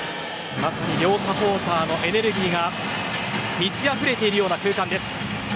まさに両サポーターのエネルギーが満ち溢れているような空間です。